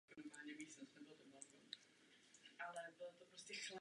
Odpovědným redaktorem časopisu byl Petr Šrámek.